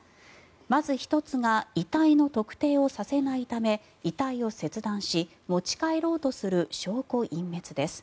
まず１つが遺体の特定をさせないため遺体を切断し持ち帰ろうとする証拠隠滅です。